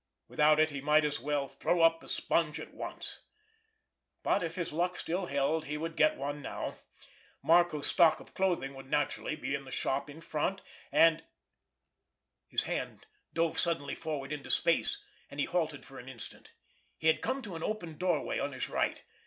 Without it he might as well throw up the sponge at once, but if his luck still held he would get one now. Marco's stock of clothing would naturally be in the shop in front, and—— His hand dove suddenly forward into space, and he halted for an instant. He had come to an open doorway on his right.